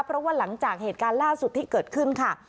เพราะว่าหลังจากเหตุการณ์ล่าสุดที่เกิดขึ้นค่ะ